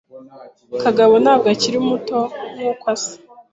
Kagabo ntabwo akiri muto nkuko asa.